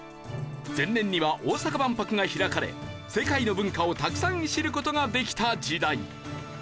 前年には大阪万博が開かれ世界の文化をたくさん知る事ができた時代。